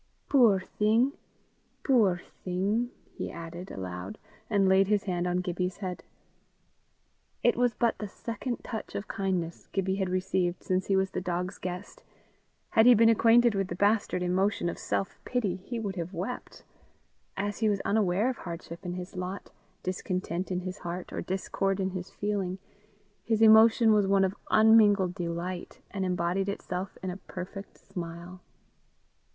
"Puir thing! puir thing!" he added aloud, and laid his hand on Gibbie's head. It was but the second touch of kindness Gibbie had received since he was the dog's guest: had he been acquainted with the bastard emotion of self pity, he would have wept; as he was unaware of hardship in his lot, discontent in his heart, or discord in his feeling, his emotion was one of unmingled delight, and embodied itself in a perfect smile.